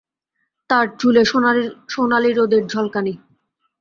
তার চুলে সোনালী রোদের ঝলকানি।